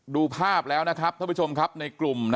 ดูภาพแล้วนะครับท่านผู้ชมครับในกลุ่ม